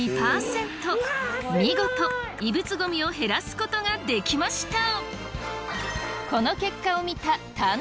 見事異物ゴミを減らすことができました！